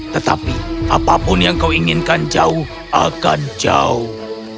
tetapi apapun yang kau inginkan jauh akan jauh